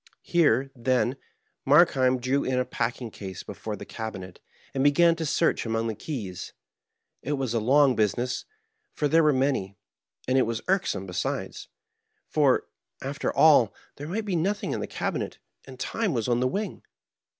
Here, then, Markheim drew in a packing case before the cabinet, and began to search among the keys. It was a long business, for they were many; and it was irksome, be sides ; for, after all, there might be nothing in the cabi net, and time was on the wing.